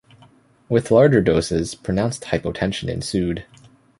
With larger doses, pronounced hypotension ensued.